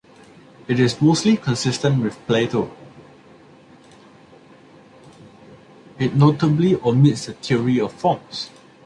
It is mostly consistent with Plato; it notably omits the Theory of Forms.